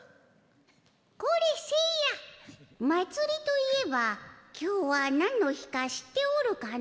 これ、せいや祭りといえば今日はなんの日か知っておるかの？